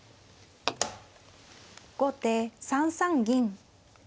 後手３三銀。